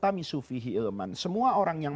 tamisufii ilman semua orang yang